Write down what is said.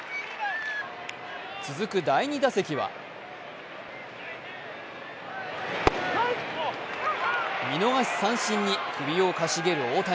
続く第２打席は見逃し三振に首をかしげる大谷。